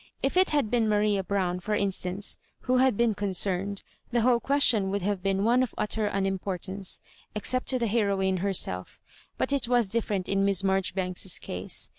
If it had been Maria Brown, for instance, who had been concerned, the whole question would have been one of utter unimportance, except to the hero ine herself; but it was different in Miss Marjori banks's case.